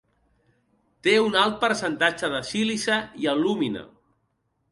Té un alt percentatge de sílice i alúmina.